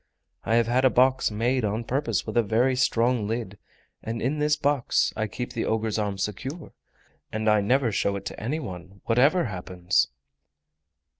I have had a box made on purpose with a very strong lid, and in this box I keep the ogre's arm secure; and I never show it to any one, whatever happens."